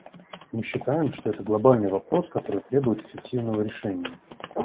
Мы считаем, что это глобальный вопрос, который требует эффективного решения.